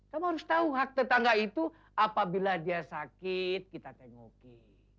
kamu harus tahu hak tetangga itu apabila dia sakit kita tengoki